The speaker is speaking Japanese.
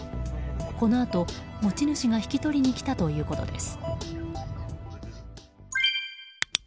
このあと持ち主が引き取りに来たということです。